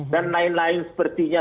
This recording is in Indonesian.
dan lain lain sepertinya